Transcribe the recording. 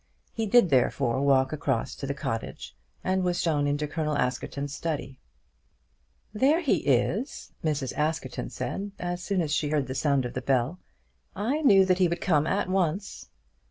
He did, therefore, walk across to the cottage, and was shown into Colonel Askerton's study. "There he is," Mrs. Askerton said, as soon as she heard the sound of the bell. "I knew that he would come at once."